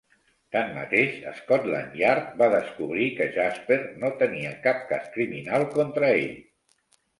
Tanmateix, Scotland Yard va descobrir que Jasper no tenia "cap cas criminal contra ell".